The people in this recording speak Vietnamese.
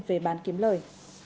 về bán kiếm lời